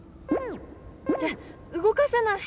ってうごかせない！